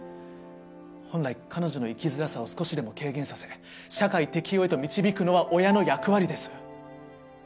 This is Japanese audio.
本来彼女の生きづらさを少しでも軽減させ社会適応へと導くのは親の役割です。